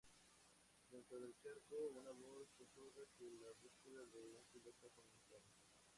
Dentro del charco, una voz susurra que la búsqueda de un piloto ha comenzado.